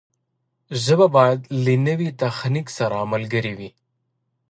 ژبه باید له نوي تخنیک سره ملګرې وي.